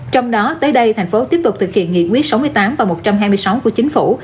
trong đó tới đây thành phố tiếp tục thực hiện nghị quyết sáu mươi tám và một trăm hai mươi sáu của chính phủ